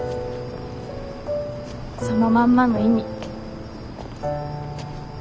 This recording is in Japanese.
そのまんまの意味。